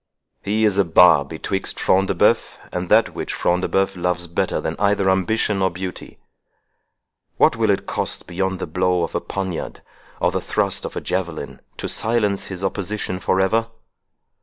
He is a bar betwixt Front de Bœuf and that which Front de Bœuf loves better than either ambition or beauty. What will it cost beyond the blow of a poniard, or the thrust of a javelin, to silence his opposition for ever?